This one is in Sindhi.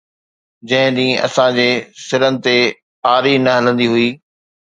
جنهن ڏينهن اسان جي سرن تي آري نه هلندي هئي